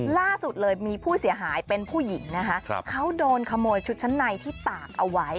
ล่าสุดเลยมีผู้เสียหายเป็นผู้หญิงนะคะเขาโดนขโมยชุดชั้นในที่ตากเอาไว้